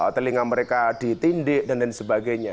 telinga mereka ditindik dan lain sebagainya